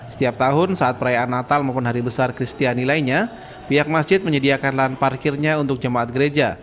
setiap tahun saat perayaan natal maupun hari besar kristiani lainnya pihak masjid menyediakan lahan parkirnya untuk jemaat gereja